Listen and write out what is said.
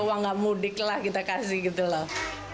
uang nggak mudik lah kita kasih gitu loh